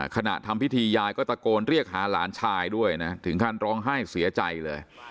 ขณะทำพิธียายก็ตะโกนเรียกหาหลานชายด้วยนะถึงขั้นร้องไห้เสียใจเลย